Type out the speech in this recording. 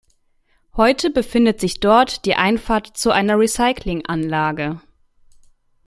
Heute befindet sich dort die Einfahrt zu einer Recycling-Anlage.